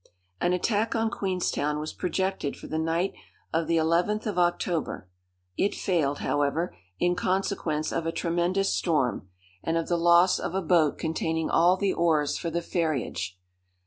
An attack on Queenstown was projected for the night of the 11th of October. It failed, however, in consequence of a tremendous storm, and of the loss of a boat containing all the oars for the ferriage.